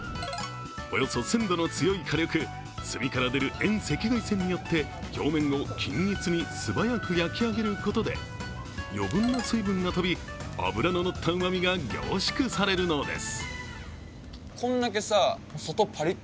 およそ１０００度の強い火力、炭から出る遠赤外線によって表面を均一に素早く焼き上げることで余分な水分が飛び、脂の乗ったうまみが凝縮されるのです。